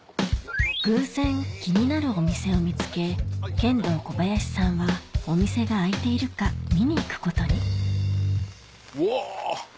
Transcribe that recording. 偶然気になるお店を見つけケンドーコバヤシさんはお店が開いているか見に行くことにうわ！